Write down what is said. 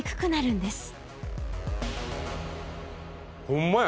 ほんまや。